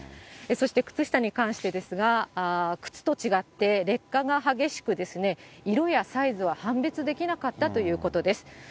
そして靴下に関してですが、靴と違って、劣化が激しく、色やサイズは判別できなかったということです。